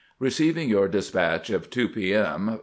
Eeceiv ing your despatch of 2 p. m.